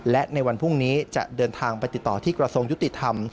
และในวันพรุ่งนี้จะเดินทางไปติดต่อที่กระทรวงยุติธรรม